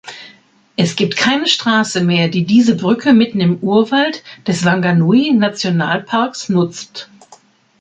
Es gibt keine Straße mehr, die diese Brücke mitten im Urwald des Whanganui-Nationalparks nutzt.